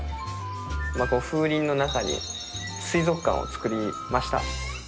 風鈴の中に水族館を作りました。